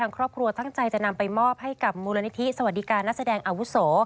ครอบครัวตั้งใจจะนำไปมอบให้กับมูลนิธิสวัสดิการนักแสดงอาวุโส